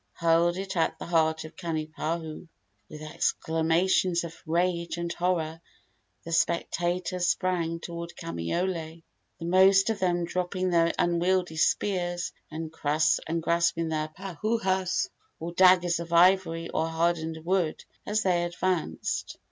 hurled it at the heart of Kanipahu. With exclamations of rage and horror the spectators sprang toward Kamaiole, the most of them dropping their unwieldy spears and grasping their pahoas, or daggers of ivory or hardened wood, as they advanced.